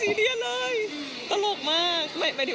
ไม่ศีรียะเลยตลกมาก